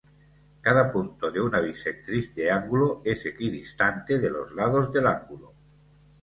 Cada punto de una bisectriz de ángulo es equidistante de los lados del ángulo.